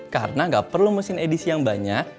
karena nggak perlu mesin edisi yang banyak